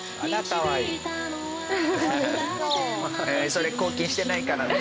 それ抗菌してないからね。